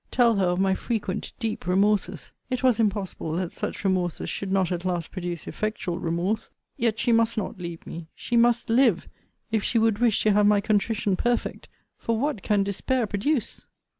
Tell her of my frequent deep remorses it was impossible that such remorses should not at last produce effectual remorse yet she must not leave me she must live, if she would wish to have my contrition perfect For what can despair produce?